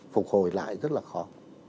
phục hồi lại rất là khó